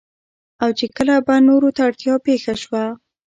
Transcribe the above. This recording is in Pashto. او چې کله به نورو ته اړتيا پېښه شوه